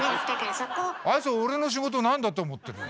あいつ俺の仕事なんだと思ってるんだ。